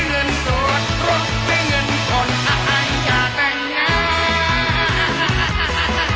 มาโครบทีมาโครบที